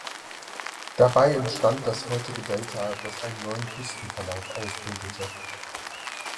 Dabei entstand das heutige Delta, das einen neuen Küstenverlauf ausbildete.